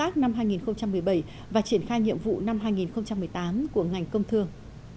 hội nghị tổng kết công tác năm hai nghìn một mươi bảy và triển khai nhiệm vụ năm hai nghìn một mươi tám của ngành công thương